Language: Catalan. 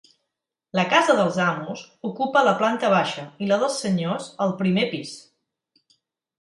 La casa dels amos ocupa la planta baixa i la dels senyors el primer pis.